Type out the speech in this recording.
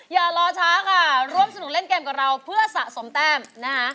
อย่ารอช้าค่ะร่วมสนุกเล่นเกมกับเราเพื่อสะสมแต้มนะคะ